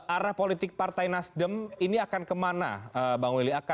arah politik partai nasdem ini akan kemana bang willy